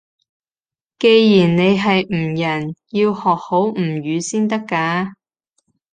既然你係吳人，要學好吳語先得㗎